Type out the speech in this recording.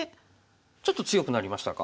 ちょっと強くなりましたか？